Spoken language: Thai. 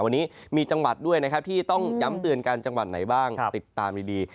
วันนี้มีจังหวัดด้วยนะครับที่ต้องย้ำเตือนกันจังหวัดไหนบ้างติดตามดี